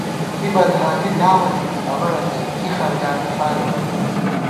کی بدحالی لامہ تھنی امہ رتئ، کی خرگانی فارے بُوئی